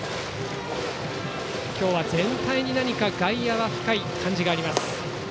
今日は全体に外野は深い感じがあります。